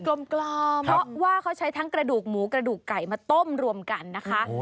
กลมเพราะว่าเขาใช้ทั้งกระดูกหมูกระดูกไก่มาต้มรวมกันนะคะ